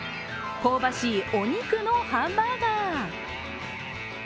香ばしいお肉のハンバーガー。